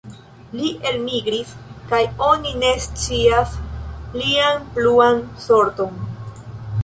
Li elmigris kaj oni ne scias lian pluan sorton.